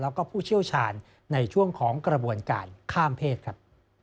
แล้วก็ผู้เชี่ยวชาญในช่วงของกระบวนการข้ามเพศครับ